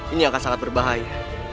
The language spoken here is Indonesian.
ini akan sangat berbahaya